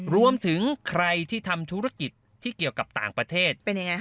รวมถึงใครที่ทำธุรกิจที่เกี่ยวกับต่างประเทศ